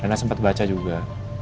rena sempat baca juga